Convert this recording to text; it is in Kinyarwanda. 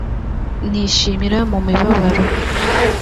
nishimira mu mibabaro